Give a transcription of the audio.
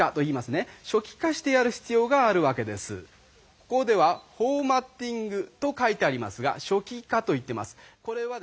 ここでは「フォーマッティング」と書いてありますが「初期化」と言ってます。